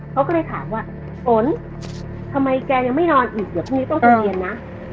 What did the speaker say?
เขาก็เลยถามว่าฝนทำไมแกยังไม่นอนอีกเดี๋ยวพรุ่งนี้ต้องไปเรียนนะ